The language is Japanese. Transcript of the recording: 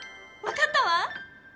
わかったわ！